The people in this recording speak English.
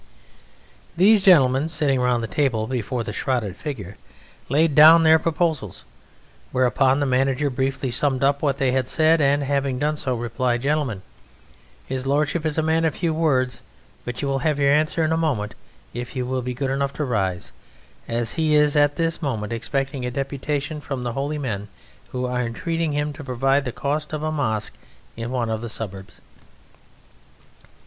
These gentlemen sitting round the table before the shrouded figure laid down their proposals, whereupon the manager briefly summed up what they had said, and having done so, replied: "Gentlemen, his lordship is a man of few words; but you will have your answer in a moment if you will be good enough to rise, as he is at this moment expecting a deputation from the Holy Men who are entreating him to provide the cost of a mosque in one of the suburbs."